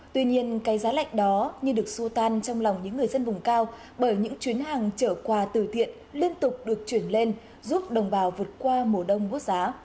tuy nhiên cái giá lạnh đó như được xu tan trong lòng những người dân vùng cao bởi những chuyến hàng trở quà từ thiện liên tục được chuyển lên giúp đồng bào vượt qua mùa đông bút giá